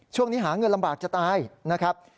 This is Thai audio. ช่วงนี้หาเงินลำบากจะตายนะครับ